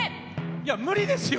いや、無理ですよ！